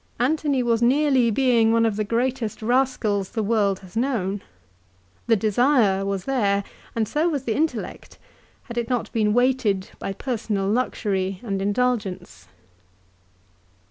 Antony was nearly being one of the greatest rascals the world has known. The desire was there, and so was the intellect, had it not been weighted by personal luxury and indulgence.